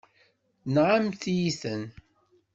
Nɣant-iyi-ten.